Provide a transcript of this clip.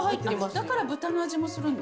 だから豚の味もするんだ。